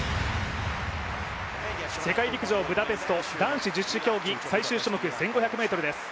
世界陸上ブダペスト、男子十種競技、最終種目、１５００ｍです。